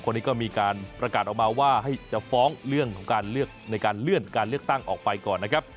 คนนี้ก็มีการประกาศออกมาว่าให้จะฟ้องเรื่องของการเลือกในการเลื่อนการเลือกตั้งออกไปก่อนนะครับ